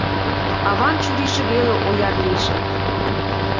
Аван чурийже веле ояр лийже.